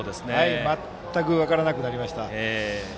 全く分からなくなりました。